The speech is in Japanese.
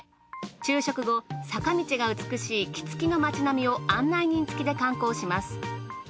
昼食後坂道が美しい杵築の町並みを案内人つきで観光します。